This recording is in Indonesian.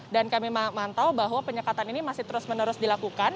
dan kami mantau bahwa penyekatan ini masih terus menerus dilakukan